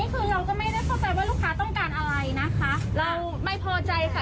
คือเราก็ไม่ได้เข้าใจว่าลูกค้าต้องการอะไรนะคะเราไม่พอใจค่ะ